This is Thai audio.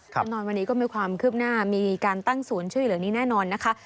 แน่นอนวันนี้ก็มีความคืบหน้ามีการตั้งศูนย์ช่วยเหลือนี้แน่นอนนะคะ